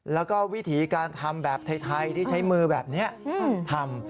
แล้วก็วิถีการทำแบบไทยที่ใช้มือแบบนี้ทำ